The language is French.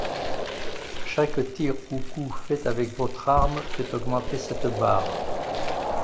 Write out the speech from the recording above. Chaque tir ou coup fait avec votre arme fait augmenter cette barre.